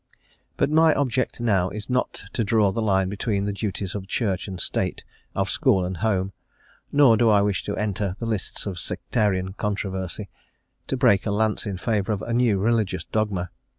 But my object now is not to draw the line between the duties of Church and State, of school and home; nor do I wish to enter the lists of sectarian controversy, to break a lance in favour of a new religious dogma.